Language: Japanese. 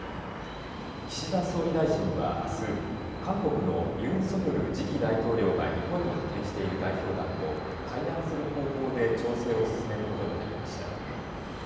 岸田総理大臣はあす韓国のユン・ソギョル次期大統領が日本に派遣している代表団と会談する方向で調整を進めることになりました。